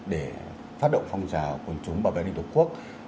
để phát động phong trào của chúng bảo vệ địa tục quốc